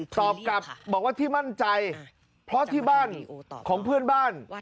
ตอบกลับบอกว่าที่มั่นใจเพราะที่บ้านของเพื่อนบ้าน